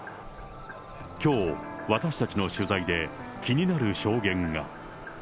きょう、私たちの取材で、気になる証言が。